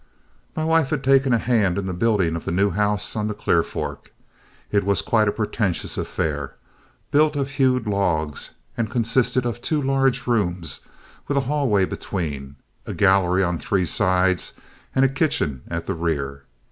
My wife had taken a hand in the building of the new house on the Clear Fork. It was quite a pretentious affair, built of hewed logs, and consisted of two large rooms with a hallway between, a gallery on three sides, and a kitchen at the rear.